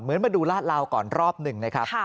มาดูลาดลาวก่อนรอบหนึ่งนะครับ